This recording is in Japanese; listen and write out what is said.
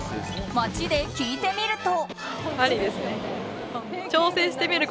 街で聞いてみると。